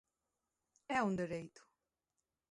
É un dereito.